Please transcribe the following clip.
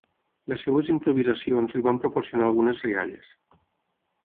Les seves improvisacions li van proporcionar algunes rialles.